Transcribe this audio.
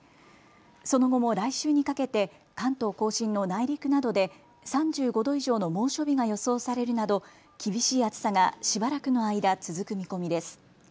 その後も来週にかけて関東甲信の内陸などで３５度以上の猛暑日が予想されるなど厳しい暑さがしばらくの間、続く見込みです。